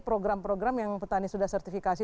program program yang petani sudah sertifikasi